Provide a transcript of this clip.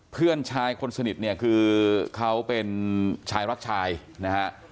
เพื่อนชายคนสนิทเนี่ยคือเขาเป็นชายรักชายนะฮะ